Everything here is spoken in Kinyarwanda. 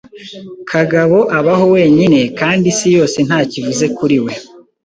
Kagabo abaho wenyine kandi isi yose ntacyo ivuze kuri we.